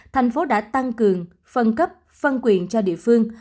thành phố đã tăng cường phân cấp phân quyền cho địa phương